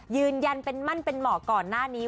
ยืนยันมั่นเป็นหมอก่อนหน้านี้